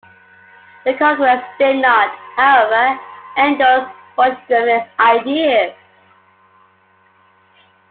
The Congress did not, however, endorse Borchgrevink's ideas.